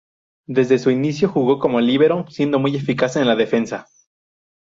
Desde su inicio jugó como líbero, siendo muy eficaz en la defensa.